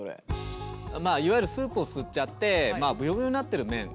まあいわゆるスープを吸っちゃってぶよぶよになってる麺。